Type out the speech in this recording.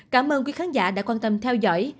cảm ơn quý khán giả đã quan tâm theo dõi